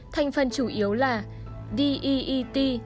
thành phần chủ yếu là deet